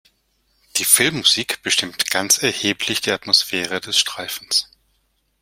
Die Filmmusik bestimmt ganz erheblich die Atmosphäre des Streifens.